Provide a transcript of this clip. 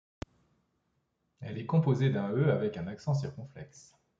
Elle est composée d’un Э avec un accent circonflexe.